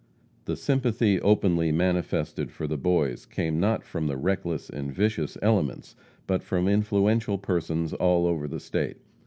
The sympathy openly manifested for the boys came not from the reckless and vicious elements, but from influential persons all over the state.